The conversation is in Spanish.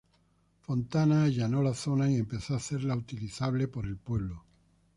Fontana allanó la zona y empezó a hacerla utilizable por el pueblo.